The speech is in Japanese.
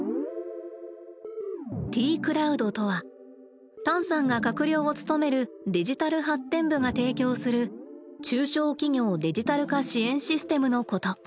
「Ｔクラウド」とはタンさんが閣僚を務めるデジタル発展部が提供する中小企業デジタル化支援システムのこと。